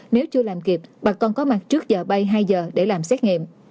nếu chưa làm kịp bà con có mặt trước giờ bay hai giờ để làm xét nghiệm